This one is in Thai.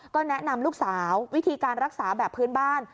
ก็แนะนำลูกสาววิธีการรักษาแบบพื้นบ้าน